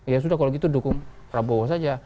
ya sudah kalau gitu dukung prabowo saja